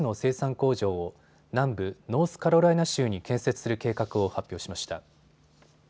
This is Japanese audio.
工場を南部ノースカロライナ州に建設する計画を発表しました。